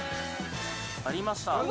ありました。